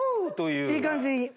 いい感じに。